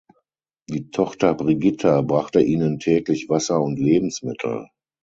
Die Tochter Brigitta brachte ihnen täglich Wasser und Lebensmittel.